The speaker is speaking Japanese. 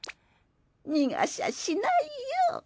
逃がしゃしないよ。